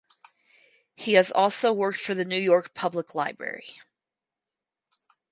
He has also worked for the New York Public Library.